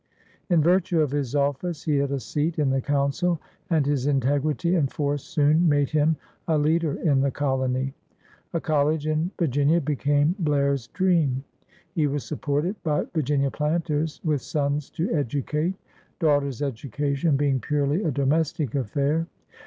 In virtue of his office he had a seat in the Council, and his integrity and force soon made him a leader in the colony. A collie in Vir ginia became Blair's dream. He was supported by Virginia planters with sons to educate — daugh ters' education being purely a domestic affair.